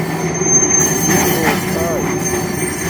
ڎی ہوچھائئ